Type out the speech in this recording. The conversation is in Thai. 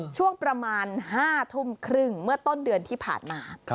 ช่วงประมาณ๕ทุ่มครึ่งเมื่อต้นเดือนที่ผ่านมา